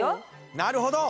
なるほど。